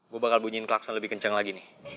gue bakal bunyiin klakson lebih kencang lagi nih